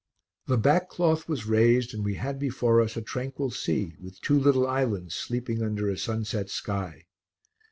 The back cloth was raised and we had before us a tranquil sea with two little islands sleeping under a sunset sky.